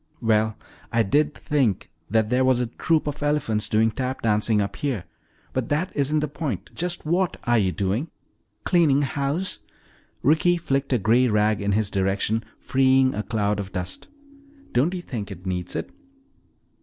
"Well, I did think that there was a troop of elephants doing tap dancing up here. But that isn't the point just what are you doing?" "Cleaning house." Ricky flicked a gray rag in his direction freeing a cloud of dust. "Don't you think it needs it?"